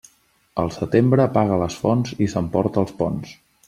El setembre apaga les fonts i s'emporta els ponts.